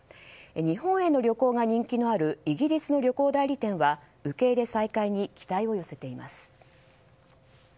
日本への旅行が人気のあるイギリスの旅行代理店は受け入れ再開に期待を寄せています。